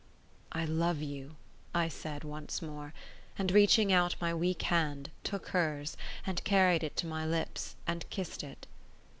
"I love you," I said once more; and reaching out my weak hand, took hers, and carried it to my lips, and kissed it.